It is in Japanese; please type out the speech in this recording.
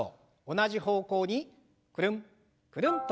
同じ方向にくるんくるんと